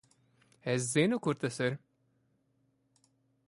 Es zinu, kur tas ir.